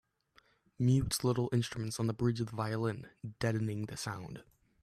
Mutes little instruments on the bridge of the violin, deadening the sound